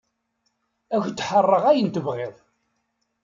Ad k-d-ḥeṛṛeɣ ayen tebɣiḍ.